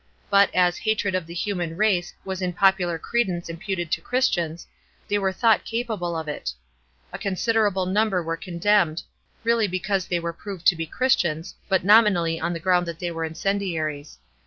But as " hatred of the human rare" was in popular credence imputed to Christians, they were th ught capable of it. A consilerab1* number were condemned — really because they were prov« d to be Christians, but nominally on the ground that they were incendiaries.